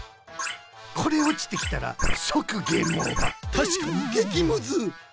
これおちてきたらそくゲームオーバーたしかにげきムズ！